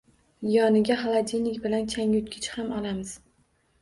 Yoniga xolodilnik bilan changyutgich ham olamiz